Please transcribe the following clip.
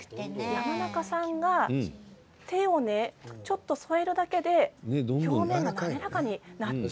山中さんが手をちょっと添えるだけで表面が滑らかになって。